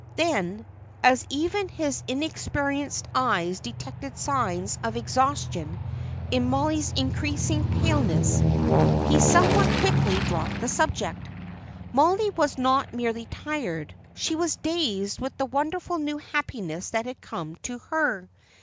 Then, as even his inexperienced eyes detected signs of exhaustion in Mollie's increasing paleness, he somewhat quickly dropped the subject. Mollie was not merely tired; she was dazed with the wonderful new happiness that had come to her.